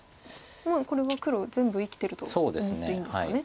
もうこれは黒全部生きてると思っていいんですかね。